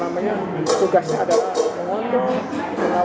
namanya tugasnya adalah mengontrol mengawasi jalannya pemerintahan